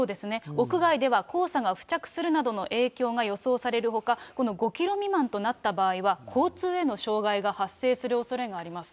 屋外では、黄砂が付着するなどの影響が予想されるほか、この５キロ未満となった場合には、交通への障害が発生するおそれがあります。